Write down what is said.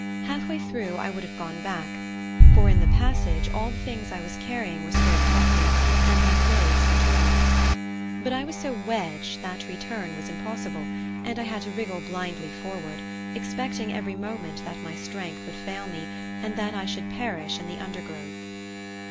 Halfway through I would have gone back, for in the passage all the things I was carrying were scraped off me, and my clothes were torn. But I was so wedged that return was impossible, and I had to wriggle blindly forward, expecting every moment that my strength would fail me, and that I should perish in the undergrowth.